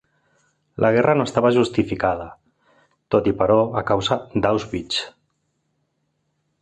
La guerra no estava justificada "tot i però a causa d'Auschwitz".